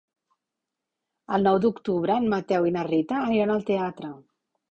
El nou d'octubre en Mateu i na Rita aniran al teatre.